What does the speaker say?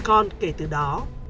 con kể từ đó